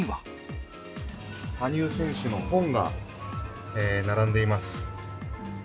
羽生選手の本が並んでいます。